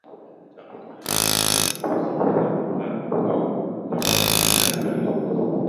tamko hilo ni ishara kuwa siku za bagbo kuondoka madarakani